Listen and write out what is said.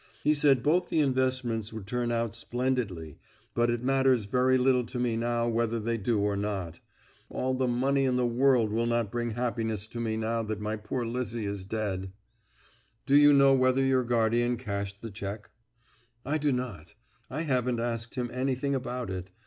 He said both the investments would turn out splendidly, but it matters very little to me now whether they do or not. All the money in the world will not bring happiness to me now that my poor Lizzie is dead." "Do you know whether your guardian cashed the cheque?" "I do not; I haven't asked him anything about it.